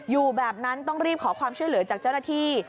อยู่แบบนั้นต้องรีบขอความช่วยเหลือจากเจ้าหน้าที่